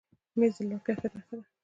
مېز د لوړ کیفیت نښه ده.